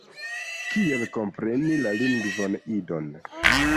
Kiel kompreni la lingvon Idon.